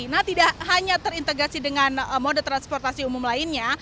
nah tidak hanya terintegrasi dengan moda transportasi umum lainnya